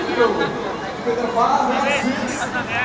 berjuang sampai aku bisa kateri